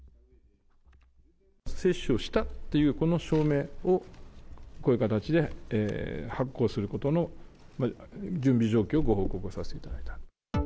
接種をしたというこの証明を、こういう形で発行することの準備状況をご報告をさせていただいた。